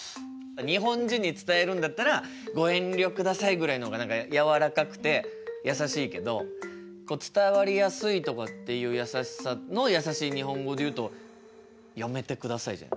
日本人に伝えるんだったら「ご遠慮ください」ぐらいのほうが何かやわらかくてやさしいけど伝わりやすいとかっていうやさしさのやさしい日本語で言うと「やめてください」じゃないの？